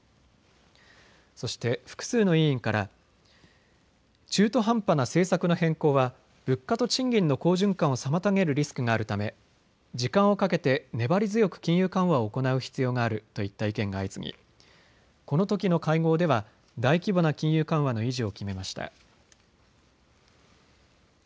そして、複数の委員から中途半端な政策の変更は物価と賃金の好循環を妨げるリスクがあるため時間をかけて粘り強く金融緩和を行う必要があるといった意見が相次ぎ、このときの会合では大規模な金融緩和の維持を決めました。